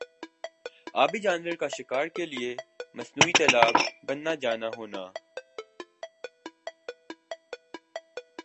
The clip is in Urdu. آبی جانور کا شکار کا لئے مصنوعی تالاب بننا جانا ہونا